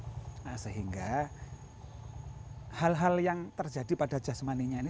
nah sehingga hal hal yang terjadi pada jasmaninya ini